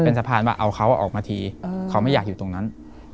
เป็นสะพานว่าเอาเขาออกมาทีเขาไม่อยากอยู่ตรงนั้น